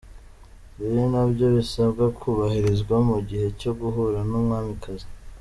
Ibi ni na byo bisabwa kubahirizwa mu gihe cyo guhura n’Umwamikazi.